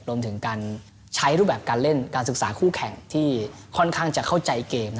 รวมถึงการใช้รูปแบบการเล่นการศึกษาคู่แข่งที่ค่อนข้างจะเข้าใจเกม